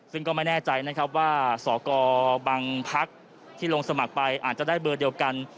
ซึ่งก็ไม่แน่ใจนะครับว่าสกบางพักที่ลงสมัครไปอาจจะได้เบอร์เดียวกัน